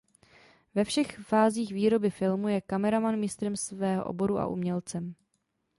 Ve všech fázích výroby filmu je kameraman mistrem svého oboru a umělcem.